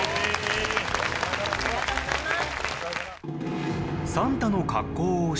ありがとうございます。